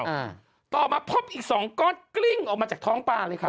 อ่าต่อมาพบอีกสองก้อนกลิ้งออกมาจากท้องปลาเลยค่ะ